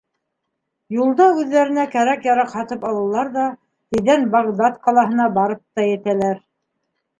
Юлда үҙҙәренә кәрәк-яраҡ һатып алалар ҙа тиҙҙән Бағдад ҡалаһына барып та етәләр.